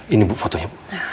ini bu fotonya